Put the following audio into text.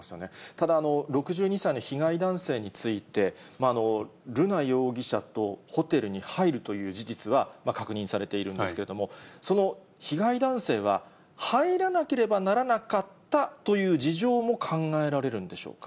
ただ、６２歳の被害男性について、瑠奈容疑者とホテルに入るという事実は確認されているんですけれども、その被害男性は、入らなければならなかったという事情も考えられるんでしょうか。